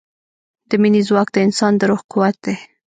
د مینې ځواک د انسان د روح قوت دی.